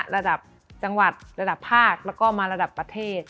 ระดับจังหวัดระดับภาคแล้วก็มาระดับประเทศ